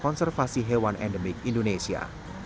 konservasi hewan endemik indonesia